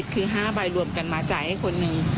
คือ๕ใบรวมกันมาจ่ายให้คนหนึ่ง